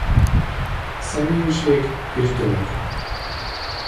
Személyiség és dolog.